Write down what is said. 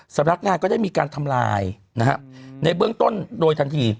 สำนักงานก็ได้มีการทำลายในเบื้องต้นโดยทันที